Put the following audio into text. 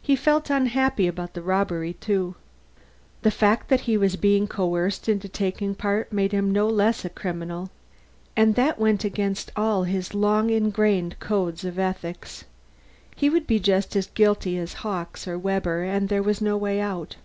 He felt unhappy about the robbery too. The fact that he was being coerced into taking part made him no less a criminal, and that went against all his long ingrained codes of ethics. He would be just as guilty as Hawkes or Webber, and there was no way out.